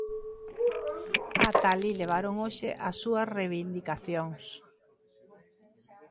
Ata alí levaron hoxe as súas reivindicacións.